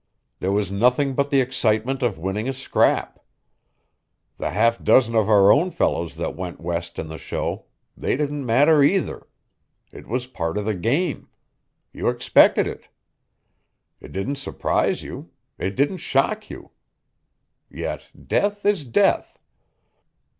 There was nothing but the excitement of winning a scrap. The half dozen of our own fellows that went west in the show they didn't matter either. It was part of the game. You expected it. It didn't surprise you. It didn't shock you. Yet death is death.